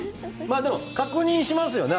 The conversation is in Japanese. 確認しますよね。